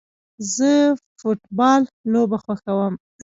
زه فټبال لوبه خوښوم